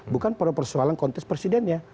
bukan persoalan kontes presidennya